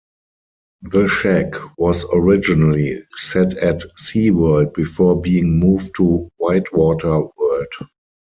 "The Shak" was originally set at Sea World before being moved to WhiteWater World.